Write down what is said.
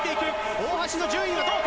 大橋の順位はどうか。